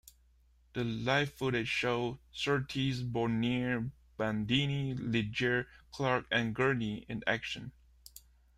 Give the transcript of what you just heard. The live footage shows Surtees, Bonnier, Bandini, Ligier, Clark and Gurney in action.